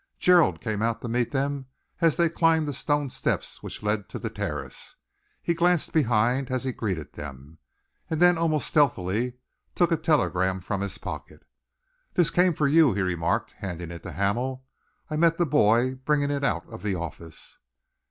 Gerald came out to meet them as they climbed the stone steps which led on to the terrace. He glanced behind as he greeted them, and then almost stealthily took a telegram from his pocket. "This came for you," he remarked, handing it to Hamel. "I met the boy bringing it out of the office."